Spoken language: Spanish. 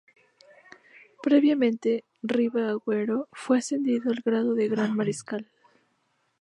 Previamente Riva Agüero fue ascendido al grado de Gran Mariscal.